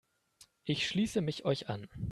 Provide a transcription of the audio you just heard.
Ich schließe mich euch an.